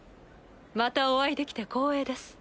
またお会いできて光栄です。